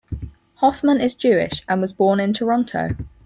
Hoffman is Jewish, and was born in Toronto.